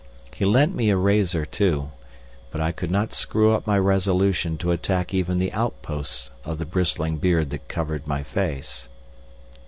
He lent me a razor too, but I could not screw up my resolution to attack even the outposts of the bristling beard that covered my face.